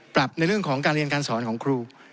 ในเรื่องของการเรียนการสอนของครู